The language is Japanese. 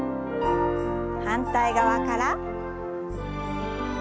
反対側から。